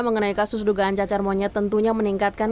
mengenai kasus dugaan cacar monyet tentunya meningkatkan